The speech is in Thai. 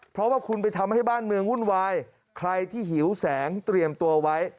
เพราะว่าคุณไปทำให้บ้านเมืองวุ่นวายใครที่หิวแสงเตรียมตัวไว้